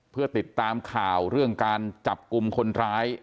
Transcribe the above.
เพื่อติดตามข่าวเรื่องการจับกลุ่มคนร้าย